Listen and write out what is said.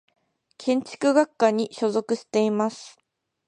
建築学科に所属しています。